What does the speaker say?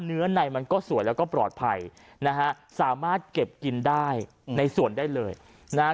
เนื้อในมันก็สวยแล้วก็ปลอดภัยนะฮะสามารถเก็บกินได้ในสวนได้เลยนะฮะ